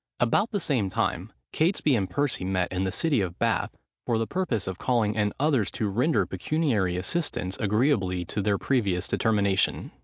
About the same time, Catesby and Percy met in the city of Bath, for the purpose of calling in others to render pecuniary assistance agreeably to their previous determination.